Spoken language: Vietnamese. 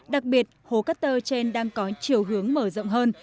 đặc biệt hố cát tơ trên đang có chiều hướng mở rộng hơn